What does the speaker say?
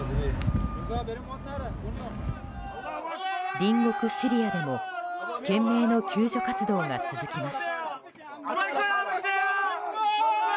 隣国シリアでも懸命の救助活動が続きます。